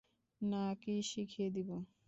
না কি শিখিয়ে দিব?